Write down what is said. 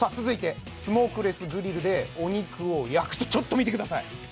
続いてスモークレスグリルでお肉を焼くとちょっと見てください